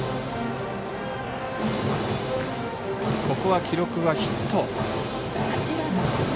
ここは記録はヒット。